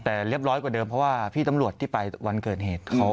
แต่เรียบร้อยกว่าเดิมเพราะว่าพี่ตำรวจที่ไปวันเกิดเหตุ